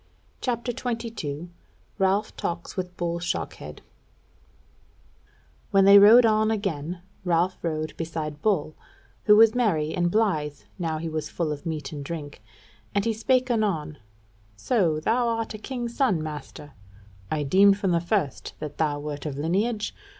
CHAPTER 22 Ralph Talks With Bull Shockhead When they rode on again, Ralph rode beside Bull, who was merry and blithe now he was full of meat and drink; and he spake anon: "So thou art a king's son, master? I deemed from the first that thou wert of lineage.